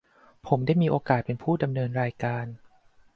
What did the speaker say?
ผมได้มีโอกาสเป็นผู้ดำเนินรายการ